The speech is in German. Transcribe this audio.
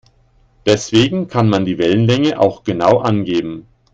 Deswegen kann man die Wellenlänge auch genau angeben.